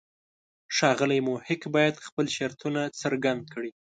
ښاغلی محق باید خپل شرطونه څرګند کړي.